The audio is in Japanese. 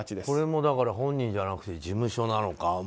これも本人じゃなくて事務所なのか。